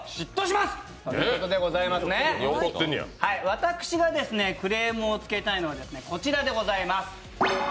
私がですね、クレームをつけたいのはこちらでございます。